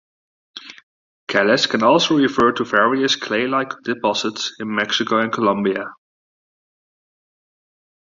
Caliche can also refer to various claylike deposits in Mexico and Colombia.